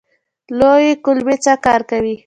لویې کولمې څه کار کوي؟